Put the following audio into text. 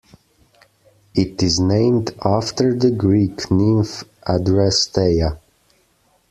It is named after the Greek nymph Adrasteia.